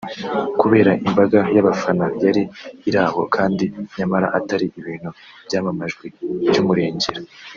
kubera imbaga y’abafana yari iraho kandi nyamara atari ibintu byamamajwe by’umurengera